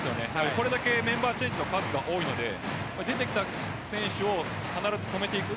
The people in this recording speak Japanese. これだけメンバーチェンジの数が多いので出てきた選手を必ず止めていく。